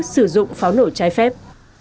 sử dụng pháo nổ trái phép